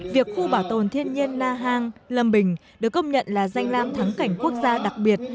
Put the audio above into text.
việc khu bảo tồn thiên nhiên na hàng lâm bình được công nhận là danh lam thắng cảnh quốc gia đặc biệt